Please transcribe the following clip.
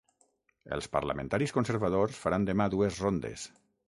Els parlamentaris conservadors faran demà dues rondes.